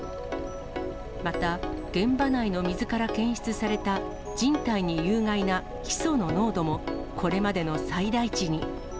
また現場内の水から検出された人体に有害なヒ素の濃度も、これまでの最大値に。